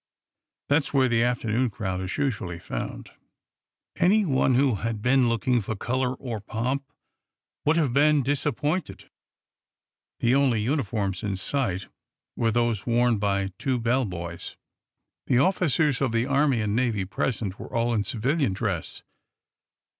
"That's where the afternoon crowd is usually found." Anyone who had been looking for "color" or pomp would have been disappointed. The only uniforms in sight were those worn by two bell boys. The officers of the Army and Navy present were all in citizen dress.